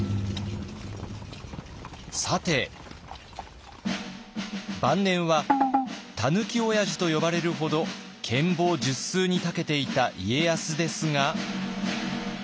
さて晩年は「たぬき親父」と呼ばれるほど権謀術数にたけていた家康ですが。